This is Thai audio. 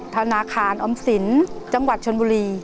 ธนาคารออมสินจังหวัดชนบุรี